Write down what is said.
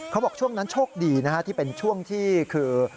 เขาบอกช่วงนั้นโชคดีนะฮะที่เป็นช่วงที่คือ